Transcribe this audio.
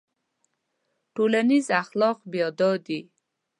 ټولنیز اخلاق بیا دا دي.